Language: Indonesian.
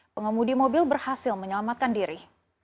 pengemudi mobil berhasil menyelamatkan diri